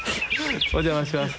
お邪魔します。